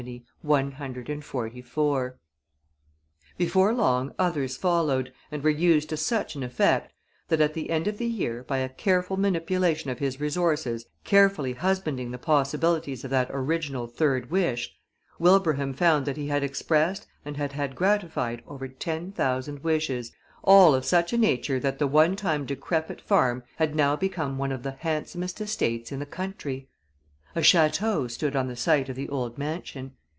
144 Before long others followed and were used to such an effect that at the end of the year, by a careful manipulation of his resources, carefully husbanding the possibilities of that original third wish, Wilbraham found that he had expressed and had had gratified over ten thousand wishes, all of such a nature that the one time decrepit farm had now become one of the handsomest estates in the country. A château stood on the site of the old mansion.